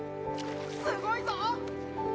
すごいぞ！